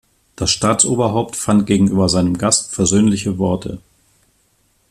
Das Staatsoberhaupt fand gegenüber seinem Gast versöhnliche Worte.